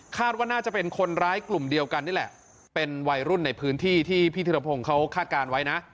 ว่าน่าจะเป็นคนร้ายกลุ่มเดียวกันนี่แหละเป็นวัยรุ่นในพื้นที่ที่พี่ธิรพงศ์เขาคาดการณ์ไว้นะ